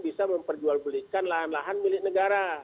bisa memperjual belikan lahan lahan milik negara